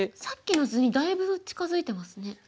さっきの図にだいぶ近づいてますね。